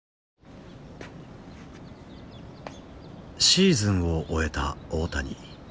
シーズンを終えた大谷。